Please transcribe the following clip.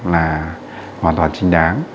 là hoàn toàn trinh đáng